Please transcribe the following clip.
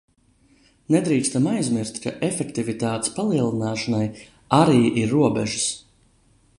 Nedrīkstam aizmirst, ka efektivitātes palielināšanai arī ir robežas.